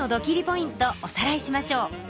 ポイントおさらいしましょう。